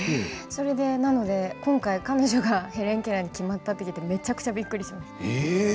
なので、今回彼女がヘレン・ケラーに決まったって聞いてめちゃくちゃびっくりしました。